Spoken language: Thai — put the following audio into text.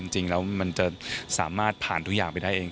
จริงแล้วมันจะสามารถผ่านทุกอย่างไปได้เอง